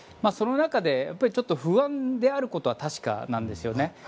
その中で、不安であることは確かなんですよね。